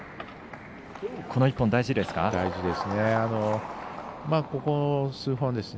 この１本、大事ですか。